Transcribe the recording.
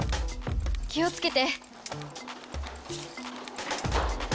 気をつけて。